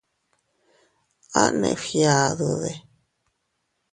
¿A neʼe fgiadude?